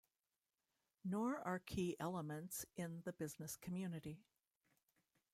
Nor are key elements in the business community.